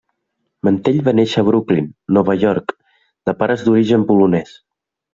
Mantell va néixer a Brooklyn, Nova York de pares d’origen polonès.